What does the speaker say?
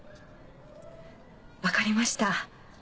わかりました。